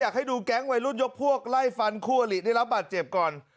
อยากให้ดูแก๊งวัยรุ่นยกพวกไล่ฟันคู่อลิได้รับบาดเจ็บก่อน